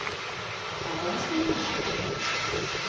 Аваж дене?